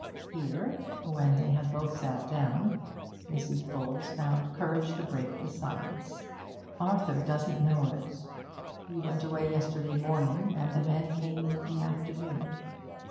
Here, when they had both sat down, Mrs. Bowles found courage to break the silence. 'Arthur doesn't know of it. He went away yesterday morning, and the men came in the afternoon.